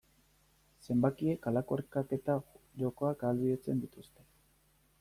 Zenbakiek halako erkaketa jokoak ahalbidetzen dituzte.